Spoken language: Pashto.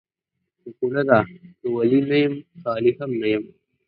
مقوله ده: که ولي نه یم خالي هم نه یم.